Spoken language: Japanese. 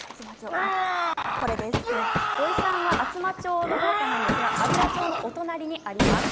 土居さんは厚真町の農家なんですが安平町のお隣にあります。